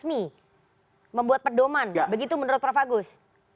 itu masih resmi membuat perdoman begitu menurut prof agus